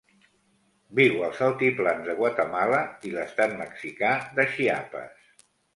Viu als altiplans de Guatemala i l'estat mexicà de Chiapas.